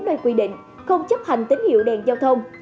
trong bốn nơi quy định không chấp hành tín hiệu đèn giao thông